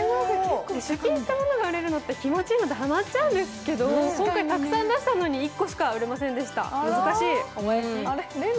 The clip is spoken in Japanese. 出品したものが売れるのはうれしいのでハマっちゃうんですけどその代わり、たくさん出したのに１個しか売れませんでした。